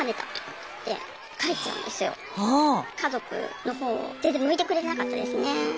家族の方を全然向いてくれなかったですね。